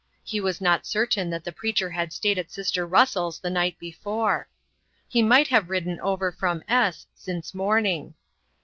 He was not certain that the preacher had stayed at sister Russell's the night before. He might have ridden over from S since morning.